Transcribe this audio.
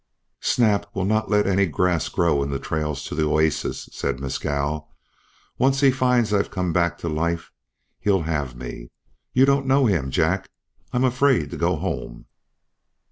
"Snap will not let any grass grow in the trails to the oasis," said Mescal. "Once he finds I've come back to life he'll have me. You don't know him, Jack. I'm afraid to go home."